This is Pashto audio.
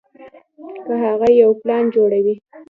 کۀ هغه يو پلان جوړوي